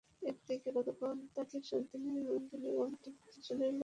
এদিকে গতকাল তাঁকে সাত দিনের রিমান্ডে নেওয়ার আবেদন করেছে রেলওয়ে পুলিশ।